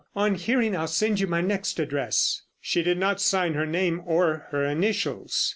On hearing, I'll send you my next address." She did not sign her name or her initials.